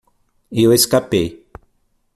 Eu escapei